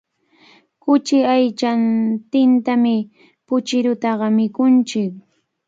Kuchi aychantintami puchirutaqa mikunchik.